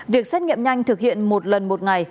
việc xét nghiệm nhanh thực hiện một lần một ngày